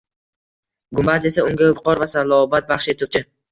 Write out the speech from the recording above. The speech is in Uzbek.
Gumbaz esa unga viqor va salobat baxsh etuvchi